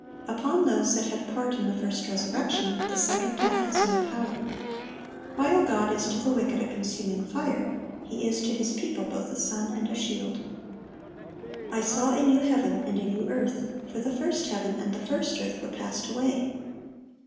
Upon those that had part in the first resurrection, the second death has no power. While God is to the wicked a consuming fire, He is to His people both a sun and a shield.(1172) "I saw a new heaven and a new earth: for the first heaven and the first earth were passed away."